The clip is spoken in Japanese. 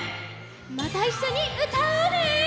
またいっしょにうたおうね！